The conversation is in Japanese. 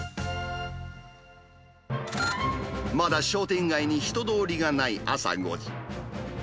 まだ商店街に人通りがない朝５時。